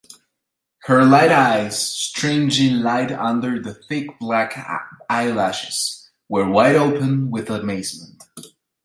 Her light eyes, strangely light under the think black eyelashes, were wide open with amazement.